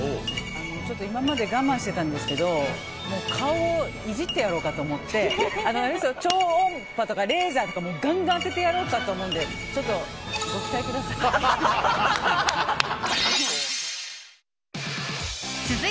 ちょっと今まで我慢してたんですけど顔いじってやろうかと思って超音波とかレーザーとかガンガン当ててやろうかと思うので、ご期待ください。